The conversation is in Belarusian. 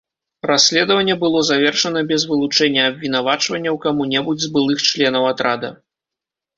Расследаванне было завершана без вылучэння абвінавачванняў каму-небудзь з былых членаў атрада.